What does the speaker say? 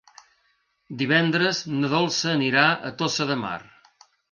Divendres na Dolça anirà a Tossa de Mar.